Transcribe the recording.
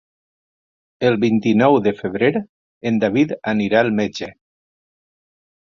El vint-i-nou de febrer en David anirà al metge.